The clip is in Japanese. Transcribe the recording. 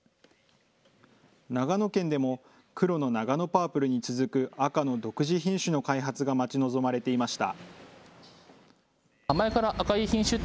長野県でも黒のナガノパープルに続く、赤の独自品種の開発が待ち望まれていました。